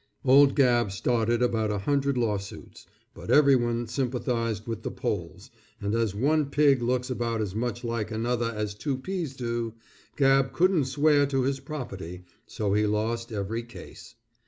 Old Gabb started about a hundred lawsuits, but everyone sympathized with the Poles, and as one pig looks about as much like another as two peas do, Gabb couldn't swear to his property, so he lost every case.